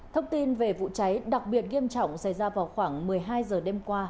thông tin về vụ cháy đặc biệt nghiêm trọng xảy ra vào khoảng một mươi hai h đêm qua